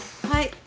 はい。